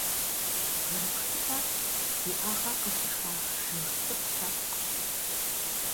Бгырыпхиӏэр иӏэгӏэ къызыхах жыг цӏыкӏу лъэпкъщ.